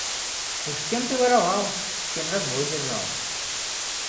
Уж как с кем ты воровал, с кем разбой держал